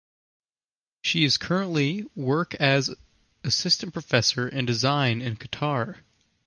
She is currently work as Assistant Professor in design in Qatar.